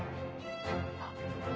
あっ